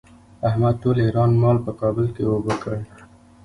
احمد ټول ايران مال په کابل کې اوبه کړ.